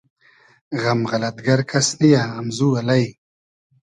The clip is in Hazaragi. غئم غئلئد گئر کئس نییۂ امزو الݷ